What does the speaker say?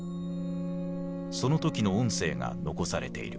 その時の音声が残されている。